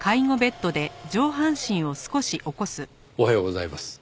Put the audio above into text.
おはようございます。